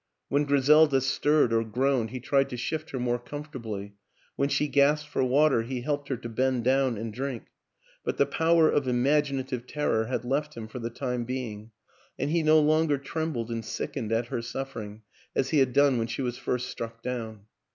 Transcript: When Griselda stirred or groaned he tried to shift her more com fortably, when she gasped for water he helped her to bend down and drink; but the power of imaginative terror had left him for the time be ing, and he no longer trembled and sickened at her suffering as he had done when she was first struck down.